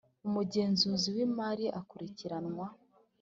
umugenzuzi w’imari akurikiranwa